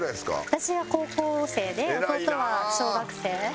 私が高校生で弟は小学生。